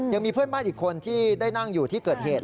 ยังมีเพื่อนบ้านอีกคนที่ได้นั่งอยู่ที่เกิดเหตุ